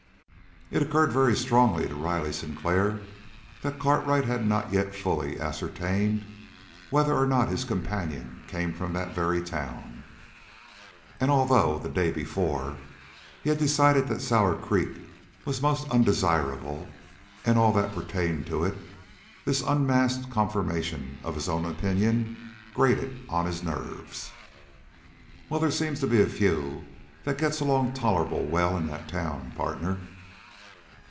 It occurred very strongly to Riley Sinclair that Cartwright had not yet fully ascertained whether or not his companion came from that very town. And, although the day before, he had decided that Sour Creek was most undesirable and all that pertained to it, this unasked confirmation of his own opinion grated on his nerves. "Well, they seems to be a few that gets along tolerable well in that town, partner."